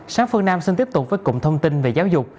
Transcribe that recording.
sáng phương nam xin tiếp tục với cụm thông tin về giáo dục